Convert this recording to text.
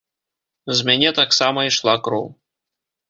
З мяне таксама ішла кроў.